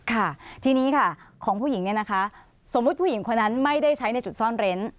ค่ะทีนี้ค่ะของผู้หญิงเนี่ยนะคะสมมุติผู้หญิงคนนั้นไม่ได้ใช้ในจุดซ่อนเร้น